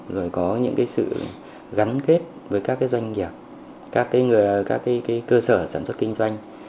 rồi có những cái sự gắn kết với các cái doanh nghiệp các cái cơ sở sản xuất kinh doanh